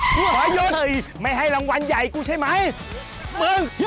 ขอหยุดไม่ให้รางวัลใหญ่กูใช่ไหม